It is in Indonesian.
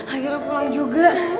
akhirnya pulang juga